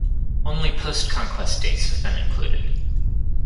Only post-conquest dates have been included.